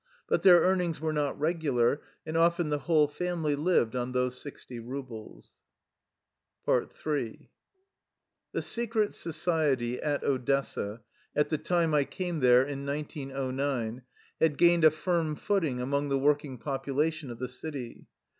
But their earnings were not regular, and often the whole family lived on those sixty rubles. Ill The secret society at Odessa, at the time I came there, in 1909, had gained a firm footing among the working population of the city.